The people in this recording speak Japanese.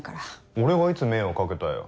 俺がいつ迷惑掛けたよ。